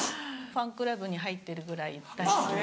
ファンクラブに入ってるぐらい大好きで。